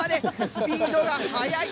スピードが速い！